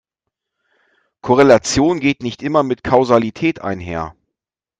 Korrelation geht nicht immer mit Kausalität einher.